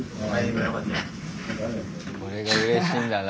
これがうれしいんだな。